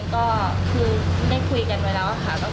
ก็คือเตรียมใจไว้แล้วว่าจะยกแบบไหนทั้งนั้นเอง